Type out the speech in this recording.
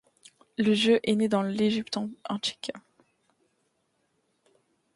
Le jeu est né dans l'Égypte antique.